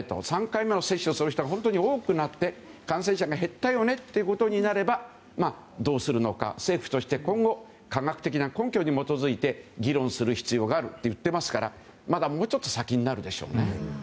３回目接種する人が本当に多くなって感染者が減ったよねということになればどうするのか、政府として今後、科学的な根拠に基づいて議論する必要があると言っていますからまだもうちょっと先になるでしょうね。